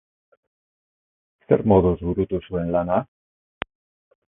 Zer moduz burutu zuen lana?